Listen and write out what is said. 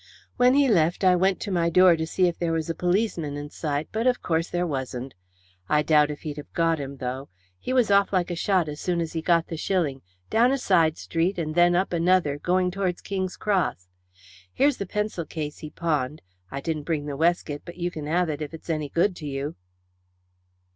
When he left I went to my door to see if there was a policeman in sight, but of course there wasn't. I doubt if he'd have got him, though. He was off like a shot as soon as he got the shilling down a side street and then up another, going towards King's Cross. Here's the pencil case he pawned. I didn't bring the weskit, but you can 'ave it if it's any good to you."